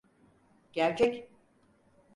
Gerçek.